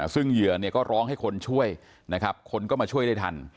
ซึ่งเหยื่อเนี่ยก็ร้องให้คนช่วยนะครับคนก็มาช่วยได้ทัน